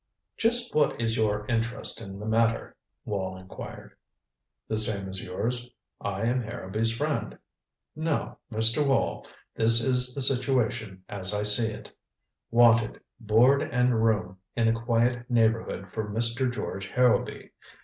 "Just what is your interest in the matter?" Wall inquired. "The same as yours. I am Harrowby's friend. Now, Mr. Wall, this is the situation as I see it wanted, board and room in a quiet neighborhood for Mr. George Harrowby.